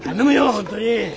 本当に！